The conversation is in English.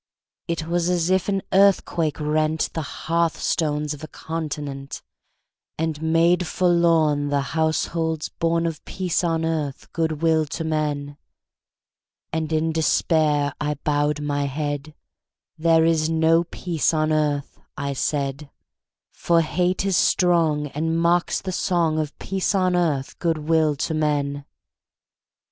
It was as if an earthquake rent The hearth stones of a continent, And made forlorn The households born Of peace on earth, good will to men! And in despair I bowed my head; "There is no peace on earth," I said: "For hate is strong, And mocks the song Of peace on earth, good will to men!"